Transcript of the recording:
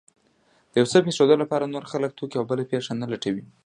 د يو څه پېښېدو لپاره نور خلک، توکي او بله پېښه نه لټوي.